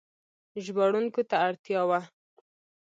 ژباړونکو ته اړتیا وه.